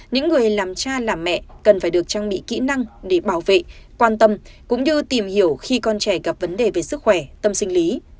những người làm cha làm mẹ cần phải được trang bị kỹ năng để bảo vệ quan tâm cũng như tìm hiểu khi con trẻ gặp vấn đề về sức khỏe tâm sinh lý